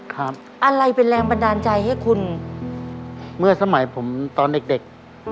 อะไรเป็นแรงบันดาลใจให้คุณเมื่อสมัยผมตอนเด็กเด็ก